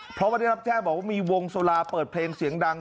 เพราะว่าได้รับแจ้งบอกว่ามีวงสุราเปิดเพลงเสียงดัง